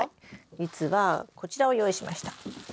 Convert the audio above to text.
実はこちらを用意しました。